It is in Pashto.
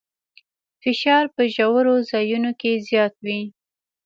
فشار په ژورو ځایونو کې زیات وي.